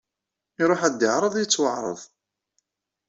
Iruḥ ad d-iɛreḍ ittwaɛreḍ.